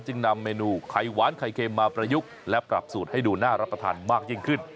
นำเมนูไข่หวานไข่เค็มมาประยุกต์และปรับสูตรให้ดูน่ารับประทานมากยิ่งขึ้น